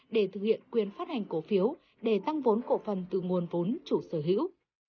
để thực hiện quyền phát hành cổ phiếu để tăng vốn cổ phần từ nguồn vốn chủ sở hữu